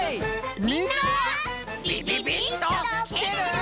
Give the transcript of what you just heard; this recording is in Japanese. みんなビビビッときてる？